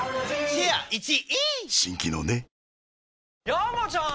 山ちゃん！